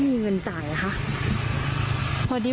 ความปลอดภัยของนายอภิรักษ์และครอบครัวด้วยซ้ำ